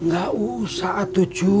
gak usah tuh cu